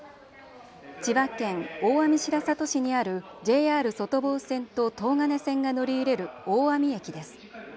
千葉県大網白里市にあるＪＲ外房線と東金線が乗り入れる大網駅です。